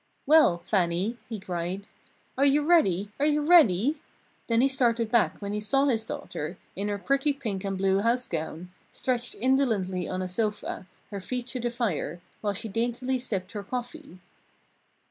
"Well, Fannie!" he cried. "Are you ready? Are you ready?" Then he started back when he saw his daughter, in her pretty pink and blue house gown, stretched indolently on a sofa, her feet to the fire, while she daintily sipped her coffee.